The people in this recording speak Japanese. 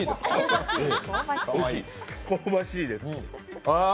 香ばしいです。